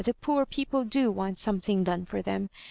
the poor people da want something done for them.